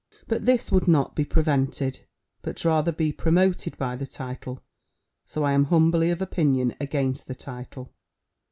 But this would not be prevented, but rather be promoted by the title. So I am humbly of opinion against the title."